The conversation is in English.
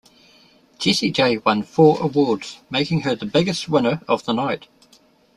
Jessie J won four awards, making her the biggest winner of the night.